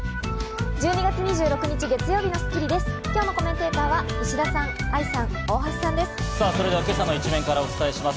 １２月２６日、月曜日の『スッキリ』です。